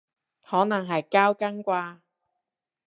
可能係交更啩